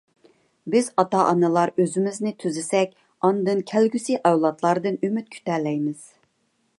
بىز ئاتا-ئانىلار ئۆزىمىزنى تۈزىسەك، ئاندىن كەلگۈسى ئەۋلادلاردىن ئۈمىد كۈتەلەيمىز.